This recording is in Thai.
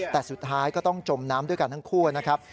แต่สุดท้ายก็ต้องจมน้ำด้วยกันทั้งคู่นะครับ